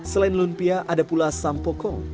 selain lumpia ada pula sampoko